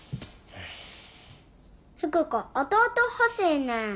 福子弟欲しいねん。